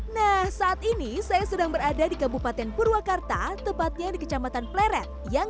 nah saat ini saya sedang berada di kabupaten purwakarta tepatnya di kecamatan pleret yang